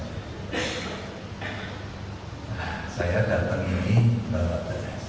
nah saya datang ini bawa deras